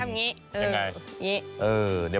อย่างไร